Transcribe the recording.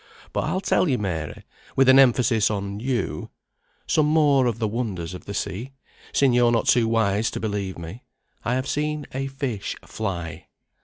But I'll tell you, Mary," with an emphasis on you, "some more of the wonders of the sea, sin' you're not too wise to believe me. I have seen a fish fly."